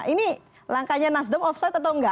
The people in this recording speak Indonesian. ini langkahnya nasdem off site atau enggak